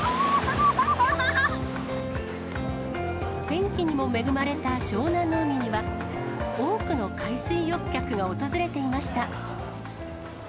天気にも恵まれた湘南の海には、多くの海水浴客が訪れていました。